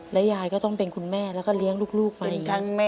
และยายก็ต้องเป็นคุณแม่แล้วก็เลี้ยงลูกมาอย่างนี้